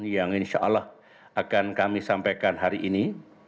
yang insyaallah akan kami sampaikan hari ini